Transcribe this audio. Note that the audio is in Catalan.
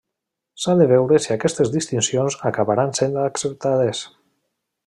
S'ha de veure si aquestes distincions acabaran sent acceptades.